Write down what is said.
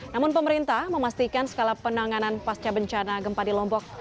namun pemerintah memastikan skala penanganan pasca bencana gempa di lombok